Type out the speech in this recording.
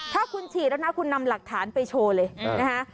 ถ้าคุณฉีดแล้วนะคุณนำหลักฐานไปโชว์เลยนะฮะ